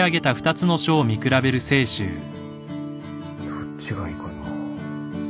どっちがいいかな。